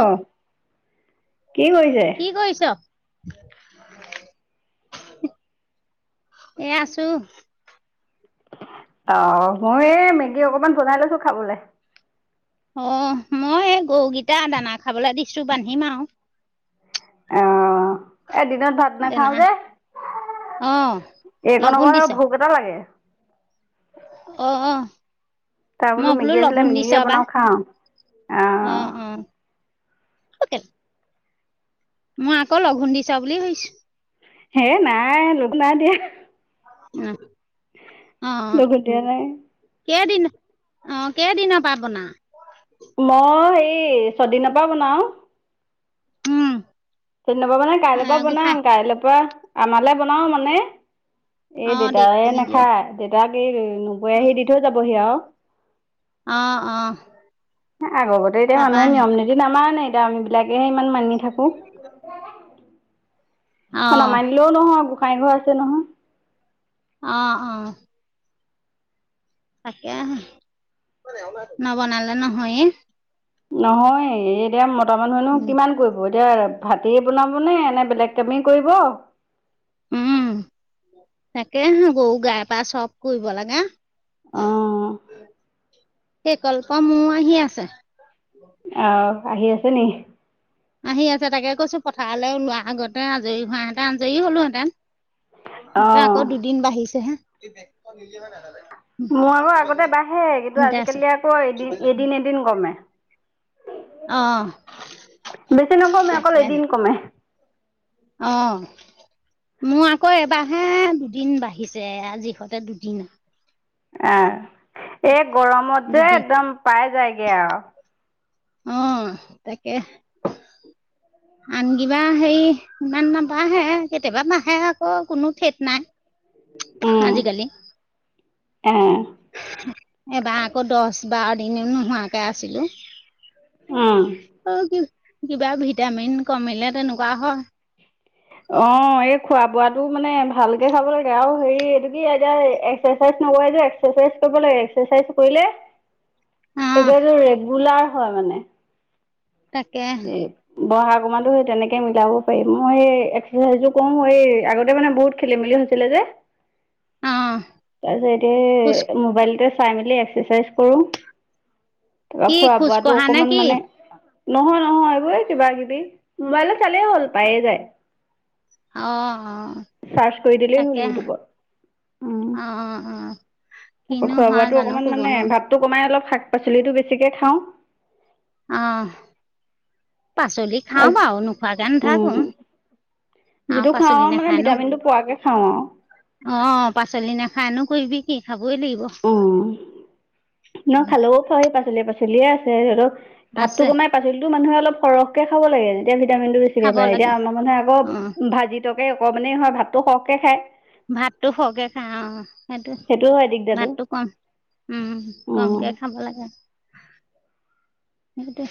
অ কি কৰিছে কি কৰিছ? [inaudible] এ আছো আহ মই এই মেগী অকমান বনাই লৈছো খাবলে অ মই গৰুকেইটা দানা খাবলৈ দিছো বান্ধিম আৰু আহ এ দিনত ভাত দানা নাখাও যে। অ' এইকনৰ লঘোণ পৰা দিছ ভোক এটা লাগে। অ অ তাৰ মই বোলো মেগী আছিলে লঘোণ দিছ মেগীকে বা বনাও খাওঁ অ অ অ মই আকৌ লঘোণ দিছা বুলি ভাবিছো। হে নাই লোক নাই দিয়া। উম লগত দিয়া নাই। কেইদিন অ কেইদিনৰ পৰা আপোনাৰ মই এই ছদিনৰ পৰা বনাও। উম চদিনৰ পৰাা মানে এ কাইলৈৰ পৰা গোসাঁই বনাম কাইলৈ পৰা আমালে বনাও মানে। এ অ' দে দেউতায় তুমি দিয় নাখায় দেউতাক এই নবৈ আহি দি থৈ যাবহি আৰু অ অ আগতে এতিয়া তাৰপা মানুহে নিয়ম নীতি নামান নে এতিয়া আমি বিলাকে ইমান মানি থাকো। অ নামানিলেও নহয় গোসাই ঘৰ আছে নহয়। অ অ তাকে নবনালে নহয়ে। নহয় এতিয়া মতা মানুহেনো কিমান কৰিব এতিয়া ভাতি বনাবনে এনে বেলেগ কামেই কৰিব উম তাকে হ গৰু গাই পা চব কৰিব লাগে আহঁ সেই কল্প মোৰ আহি আছে। আহ আহি আছে নি। আহি আছে তাকে কৈছো পথাৰলৈওলোৱা আগতে আজৰি হোৱাহেতেন আজৰি হলোহেঁতেন তাতে অ' আকৌ দুদিন বাঢ়িছে হে মই আকৌ আগতে বাঢ়ে কিন্তু আছে আজিকালি আকৌ এদিন এদিন এদিন কমে অ বেছি নকমে অকল তাকে এদিন কমে অ মোৰ আকৌ এবাৰহে দুদিন বাঢ়িছে আজি হঁতে দুদিন আহ এই গৰমত যে দুদিন একদম পাই যায়গে আৰু অ তাকে আন কিবা হেৰি ইমান নাবাঢ়ে কেতিয়াবা বাঢ়ে আকৌ কোনো ঠেট নাই [inaudible] উম আজিকালি এ এইবাৰ আকৌ দহ বাৰ দিন নোহোৱাকে আছিলোঁ। উম কিবা ভিটামিন কমিলে তেনেকুৱা হয়। অ এই খোৱা বোৱাটো মানে ভালকে খাব লাগে আৰু হেৰি এইটো কি এতিয়া একচাৰচাইজ নকয় যে একচাইজ কৰিব লাগে একচাইজ কৰিলে [inaudible] এইবতটো ৰেগুলাৰ হয় মানে তাকে এ বহাগ অকণমানো সেই তেনেকে মিলাব পাৰি মই এক্সাৰচাইজো কৰো এই আগতে মানে বহুত খেলি মেলি হৈছিলে যে [unintelligible] [inaudible] তাৰিছত খোজ এতিয়া মোবাইলতে চাই মেলি এক্সাৰচাইজ কৰিম [unintelligible] তাৰপা কি খোৱা খোজ বোৱা কঢ়া নে অকমান কি মানে নহয় নহয় এইবো কিবা কিবি মোবাইলত চালেই হ'ল পায়ে যায় অ অ চাৰ্চ কৰি দিলেই হ'ল তাকে ইউটিউবত উ অ অ তাৰ কিনো খোৱা হয় বোৱাটো জানো অকণমান ক'ব মানে নোৱাৰো ভাতটো কমাই অলপ শাক পাচলিটো বেছিকে খাওঁ আহ পাচলি খাওঁ বাৰু নোখোৱাকে উম নেথাকো যিটো খাও আৰু মানে ভিটামিন টো পোৱাকে খাও অ পাচলি নাখায়নো কৰিবি কি খাবই লাগিব অ নহ খালেও [unintelligible] পাচলি পাচলিয়ে আছে ধৰক ভাপটো আছে কমাই পাচলিতো মানুহে অলপ সৰহকে খাব লাগে তেতিয়া ভিটামিন টো বেছিকে খাব পায় এতিয়া লাগে আমাৰ মানুহ অ আকৌ ভাজি তৰকাৰি অকমানে হয় ভাতটো সহকে খায় ভাতটো সকে খাই অ সেইটো হয় দিগদাৰটো ভাততো কম উম উম কমকে খাব লাগে। সেইটো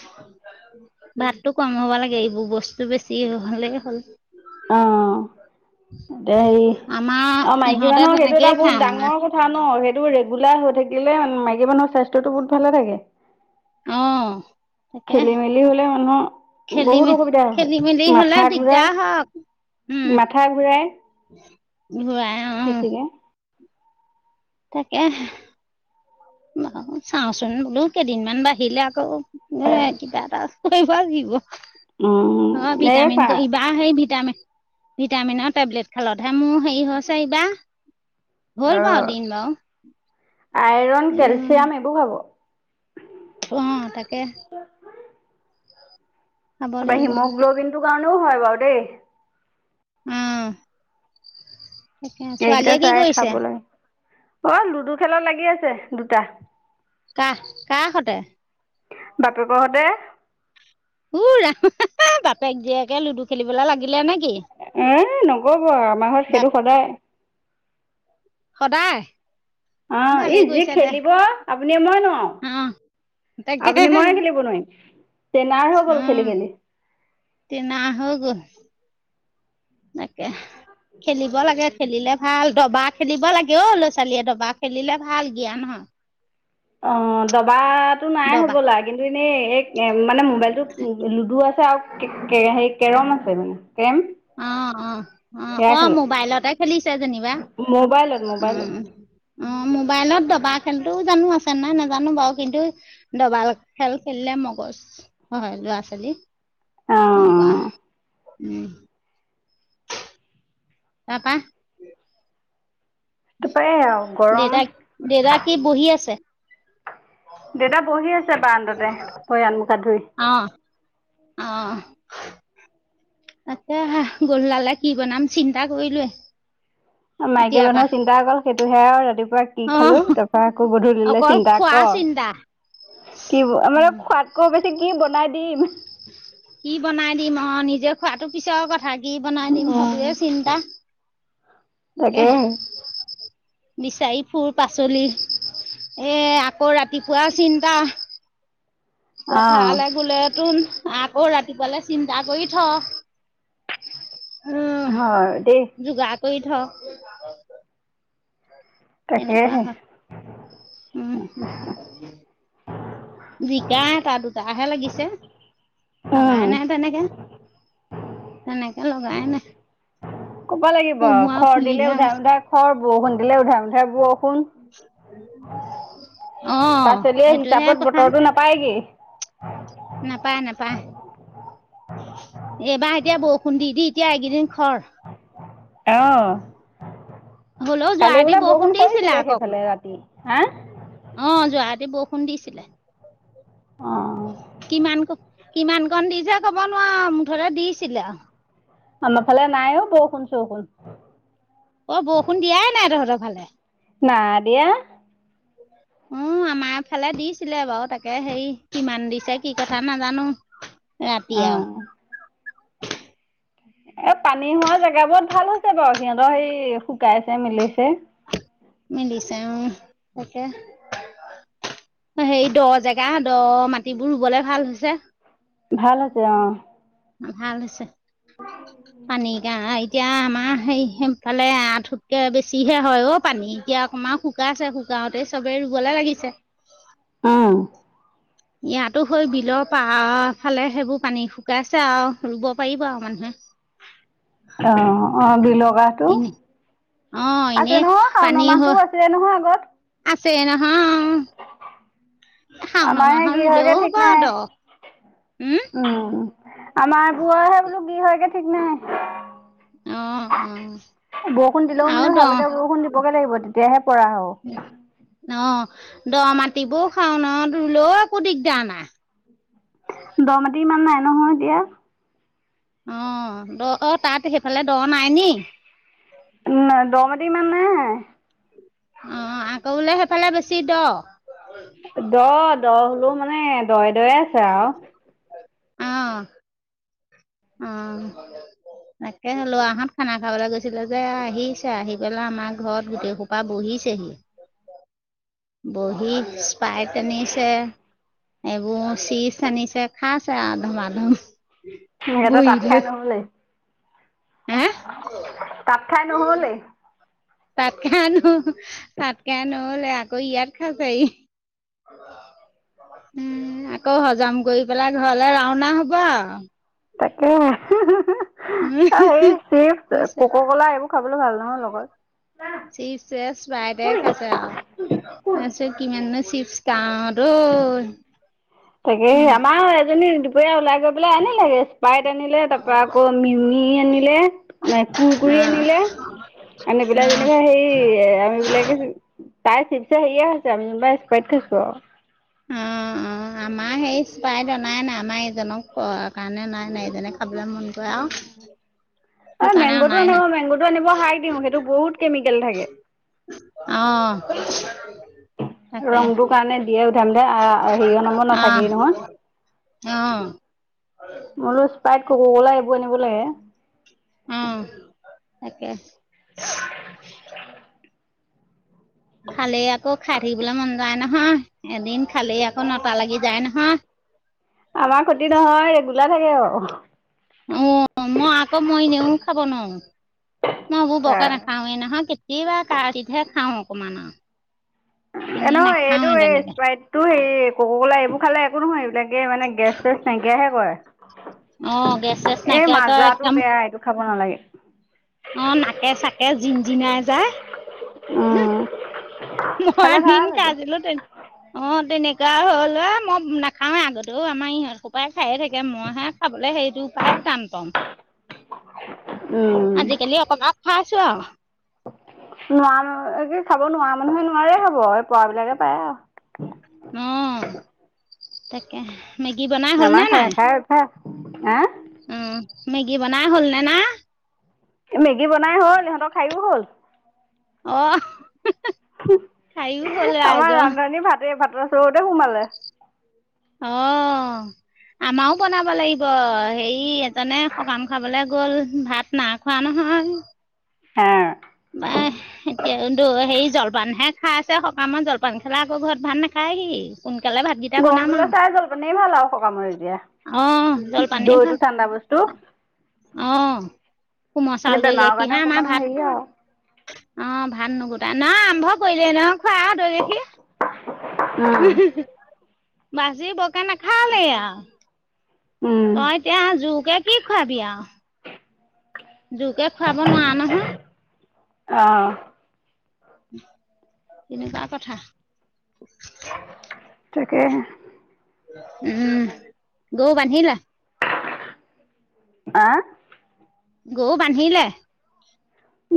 ভাতটো কম হ'ব লাগে এইবোৰ বস্তু বেছি হলে হ'ল আহ এ হেৰি আমাৰ অ মাইকী ইহঁতে মানুহৰ সেইটো তেনেকেই এটা খাই বহুত আমাৰ ডাঙৰ কথা ন সেইটো ৰেগুলাৰ হৈ থাকিলে মাইকী মানুহৰ স্বাস্থ্যত টো বহুত ভালে থাকে অ তাকে খেলি মেলি হলে মানুহৰ খেলি বহুত মেলি অসুবিধা হয় খেলি মেলি হলে মাথা দিগদাৰ ঘূৰাই হওক মাথা ঘূৰাই হয় [unintelligible] বেছিকৈ [unintelligible] তাকে চাওঁচোন বোলো কেইদিনমান বাঢ়িলে আকৌ ন কিবা এটা কৰিবা যিব [unintelligible] অ উম এই ভিটামিন পা ক ইবাৰ সেই ভিটামিন [unintelligible] ভিটামিনৰ টেবলেট খালতহে মোৰ হেৰি হৈছে ইবা হল অ বাও দীন বাও আইৰণ কেলচিয়াম এইবোৰ খাব উম তাকে খাব তাৰপৰা লাগিব হিমোগ্ল'বিনটোৰ কাৰণেও হয় বাৰু দেই। উম এইকেইটা চাই খাব কৰিছে লাগে অ লুডু খেলত লাগি আছে দুটা কাহ কাহষতে বাপেকহঁতে উ ৰাম বাপেক জীয়েকে লুডু খেলিবলৈ লাগে এ নকব আমাৰ ঘৰত বাপ সেইটো সদায় সদায় অ ই ভালেই যি কৰিছে দে খেলিব আপুনি মই নোৱাৰ অ তাকে আপুনি মই খিলিব নোৱাৰিম। তে নাই হৈ গল খেলি উম খেলি টেনা হৈ গ'ল তাকে খেলিব লাগে খেলিলে ভাল দবা খেলিব লাগে অ ল'ৰা ছোৱালীয়ে দবা খেলিলে ভাল জ্ঞান হয়। অ দবাটো নাই দবা হ'বলা কিন্তু এনেই এই মানে মোবাইলটো লুডু আছে আৰু কে সে কেৰম আছে মানে কেৰম অ অ অ সেয়া অ খেলে মোবাইলতে খেলিছে যেনিবা। মোবাইলত মোবাইলত উম অ মোবাইলত দবা খেলটোও জানো আছে নাই নাজানোঁ বাৰু কিন্তু ডবাল খেল খেলিলে মগজ হয় ল'ৰা ছোৱালী। এনেকুৱা অঁ উম। তাপা তাৰপৰা এই আৰু গৰম দেউতাক দেউতা কি বহি আছে? দেউতা বহি আছে বাৰান্দাতে ভৰি হাত মুখ হাত ধুই। অ অ তাকে হে গধুলালে কি বনাম চিন্তা কৰিলোৱে। মাইকী এতিয়াৰ পৰা মানুহৰ চিন্তা অকল সেইটোহে আৰু ৰাতিপুৱা কি অহ খালো তাৰপৰা আকৌ গধুলিলে অকল চিন্তা খোৱা চিন্তা কৰ কি উম, খোৱাদকৈ বেছি কি বনাই দিম কি বনাই দিম অ নিজে খোৱাতো পিছৰ কথা কি বনাই দিম সেইটোৱে চিন্তা একে তাকে বিচাৰি ফুৰু পাচলি এ আকৌ ৰাতিপুৱা চিন্তা। অঁ পথাৰলৈ গোলেতোন আকৌ ৰাতিপুৱালে চিন্তা কৰি থ হয় দে কৈ থ তেনেকুৱা তাকেহে হয় উম। জিকা এটা দুটা। এলাহহে লাগিছে উম লগাই নাই তেনেকে তেনেকে লগাই নাই। ক'ব লাগিব কোমোৰা খৰ দিলে ফুলিহে উধাই আছে মোধাই খৰ বৰষুণ দিলে উধাই মোধাই বৰষুণ অ পাচলিয়ে সেইটোহে হিচাপত কথা বতৰটো নাপায়গেই পাহ এইবাৰ এতিয়া বৰষুণ দি দি এতিয়া এইকেইদিন খৰ আহ হ'লেও কালি যোৱাৰাতি বোলে বৰষুণ দিছিলে পৰিছিলে আকৌ সেইফালে ৰাতি হা অ যোৱা ৰাতি বৰষুণ দিছিলে। অ কিমান ক কিমান কণ দিছে ক'ব নোৱাৰোঁ মুঠতে দিছিলে আৰু। আমাৰ ফালে নাই ঔ বৰষুণ চৰষুণ। অ বৰষুণ দিয়াই নাই তহঁৰ ফালে। নাই দিয়া। উম। আমাৰ ফালে দিছিলে বাৰু তাকে হেৰি কিমান দিছে কি কথা নাজানোঁ। ৰাতি অ আও। এ পানী হোৱা জেগাবোৰত ভাল হৈছে বাৰু সিহঁতৰ সে শুকাইছে মেলিছে। মিলিছে উম তাকে হেৰি দ জেগা দ মাটিবোৰ ৰুবলে ভাল হৈছে। ভাল হৈছে অ। ভাল হৈছে পানী গা এতিয়া আমাৰ হেৰি সেইফালে আঁঠুতকে বেছিহে হয় অ' পানী এতিয়া অকমান শুকাইছে গাওঁতে চবেই ৰুবলৈ লাগিছে। আহ ইয়াতো হয় বিলৰ পাৰ ফালে সেইবোৰ পানী শুকাইছে আৰু ৰুব পাৰিব আৰু মানে। [inaudible] অ অ বিহ লগাটো অ এনে পানী হৈ আছিলে নহয় আগত আছে নহয় শাওণ আমাৰ সে মাহত কি ৰুলেও হয়গে হ'ব ঠিক দ উম নাই উম। আমাৰ বোৰহে বোলোঁ কি হয়গে ঠিক নাই। অ অ বৰষুণ দিলেওঁ আৰু মানে দ ভাল কে বৰষুণ দিবগে লাগিব। তেতিয়াহে পৰা হ'ব। অ দ মাটিবোৰ শাওনত ৰুলেও একো দিগদাৰ নাই। দমাটি ইমান নাই নহয় এতিয়া। অ দ অ তাত সেইফালে দ নাই নি? ন দম মাটি ইমান নাই। অ আকৌ বোলে সেইফালে বেছি দ দ দ হ'লেও মানে দয়ে দয়ে আছে আৰু। অহ অ। তাকে লৰাহঁত খানা খাবলৈ গৈছিলে যে আহিছে আহি পেলাই আমাৰ ঘৰত গোটেইসোপা বহি বহিছেহি বহি স্পাইট আনিছে। এইবোৰ চিপছ‌ আনিছে খাইছে আ ধুমা ধুম। সিহঁতৰ তাত খাই নহ'লে? হে তাত খাই নহ'লে ই। তাতকে আনো তাতকে আনো হ'লে আকৌ ইয়াত আছেহি। উম আকৌ হজম কৰি পেলাই ঘৰলে ৰাওনা হ'ব আৰু তাকে সেই উম, চিপছ পিছে কক ক'লা এইবোৰ বোলোঁ ভাল নহয় লগত। চিপছে ইচপাৰাইটে খাইছে আৰু তাৰিছত কিমান চিপছ খাওঁ তো উ তাকে আমাৰ এজনী দুপৰীয়া ওলাই গৈ পেলাই আনি লেগে। পাইট আনিলে তাৰ পা আকৌ মিমি আনিলে নে কুৰকৰি আনিলে, অ আনিবিলাই যেনিবা সেই আমি বিলাকে। তাইৰ চিপছে‌‌ হেৰিয়ে খাইছে আমি যিনিবা ইছপাইট খাইছোঁ আৰু অ অ অ আমাৰ সেই স্পাইট অনাই নাই আমাৰ এইজনক কাৰণে নাই অনা এইজনে খাবলৈ মন কৰে তইআও অ মেংগ'টো আনিব মেংগ'টো আনিব হাই দিওঁ সেইটো বহুত কেমিকেল থাকে। অ থাকে ৰংটোৰ কাৰণে দিয়ে উধাই মুধাই হেৰিয়ৰ নামৰ আহ নাথাকেই নহয়। আহ মোলো স্পাইট কক কলা এইবোৰ আনিব অ লাগে। তাকে খালে আকৌ খাই থাকিবলৈ মন যায় নহয়, এদিন খালেই আকৌ নটা লাগি যায় নহয়। আমাৰ ক্ষতি নহয় ৰেগুলাৰ থাকে আৰু অ মই আকৌ মই ইনেও খাব নোৱাৰোঁ। মইএইবোৰ বৰকে নাখাওঁ নহয় কেতিয়াবা কাটচিটহে খাওঁ অকমান এ এনেই নহয় এইটো নাখাওৱে এই তেনেকে স্প্ৰাইট টো হেৰি কক কলা এইবোৰ খালে একো নহয় এইবিলাক এ মানে গেছ চেছ নাইকিয়াহে কৰে। অ', গেছ চেছ এ নাইকিয়াকৈ মাজাটো একদম বেয়া এইটো খাব নালাগে। অ নাকে চাকে জিন জিনাই যায়। উম মই খালে নিন ভাল সেইটো। কাজিলো তে অ অঁ তেনেকুৱা হ'ল আৰু মই নাখাওঁৱেই আগতেও আমাৰ ইহঁত সোপাই খায়ে থাকে মইহে খাবলৈ সেইটো প্ৰায় টান পাওঁ। উম খাইছো আও নোৱাৰ খাব নোৱাৰা মানুহে নোৱাৰে খাব এই পৰা বিলাকে পাৰে আৰু উম তাকে মেগী বনাই আমাৰ খাই খাই অভ্যাস সে, উ মেগী বনাই হ'লনে না‌? মেগী বনাই হ'ল সিহঁতৰ খাইও হ'ল। আহ আমাৰ ৰাইজৰ ৰান্ধনী ভাতে ভাতৰ চৰতে সোমালে। অ আমাৰও বনাব লাগিব হে এজনে শকান খাবলে গ'ল ভাত না খোৱা নহয়। হয় হা বা এয়া হেৰি জলপানহে খাই আছে সকামত জলপান খালে আকৌ ঘৰত ভাত নাখাই। ন কি। গৰমটোলৈ চাই জলপানেই ভাল আৰু সকামত এতিয়া। অ জল পানী দৈটো ভাল। ঠাণ্ডা বস্তু অ কোমৰ খালি চাউলদৰে বেমাৰৰ গাখীৰ কাৰণে হে আমাৰ অকমান ভাত। হেৰি আৰু অ ভাত নুগোটা ন আৰম্ভ কৰিলে ন খোৱা তৈ গখি। উম। ভাজি বগা নাখাল নেইয়া। উম তই এতিয়া জুকে কি খোৱাবি আৰু। জোকে খুৱাব নোৱাৰা নহয়। আহ তেনেকুৱা কথা। তাকেহে। উম গৌ বান্ধিলা। আহ গৰু বান্ধিলে।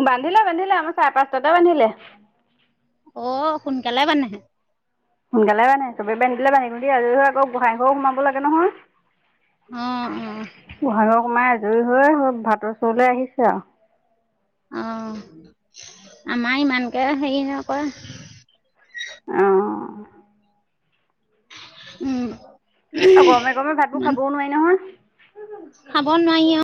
বান্ধিলা বান্ধিলা আমাৰ চাৰে পাঁচটাতেটা বান্ধিলে? অ সোনকালে মানে। সোনকালে বানে চবেই প আনিলে বান্ধিলো দেই আজি ধ আকৌ গোসই ঘো সোমাব লাগে নহয়। উম উম। ভাগৰ কমাই আজুৰি হৈ ভাতৰ চৰলৈ আহিছে আৰু। অ আমাৰ ইমানকে হেৰি নকয়। আহঁ উম অ গৰমে গৰমে ভাত বোৰ ইমান খাবও নোৱাৰি নহয়। খাব নোৱাৰি আৰু।